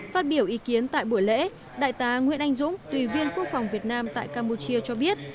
phát biểu ý kiến tại buổi lễ đại tá nguyễn anh dũng tùy viên quốc phòng việt nam tại campuchia cho biết